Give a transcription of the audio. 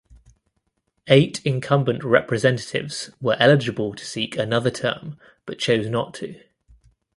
Eight incumbent representatives were eligible to seek another term but chose not to.